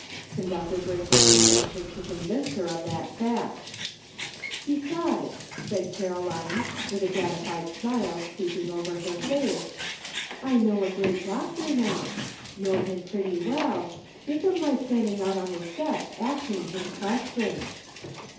Conductor Brinker was anxious to convince her of that fact, "Besides," said Caroline, with a gratified smile 170 "50 YOU WANT TO GO HOME?'* creeping over her face, " I know a great doctor, now; know him pretty well; tliink of my stand ing out on the steps asking him questions!"